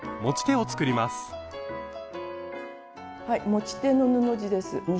はい持ち手の布地です。